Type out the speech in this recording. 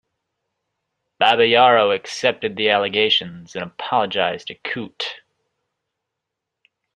Babayaro accepted the allegations and apologised to Kuyt.